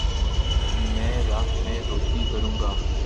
میں راہ میں روشنی کرونگا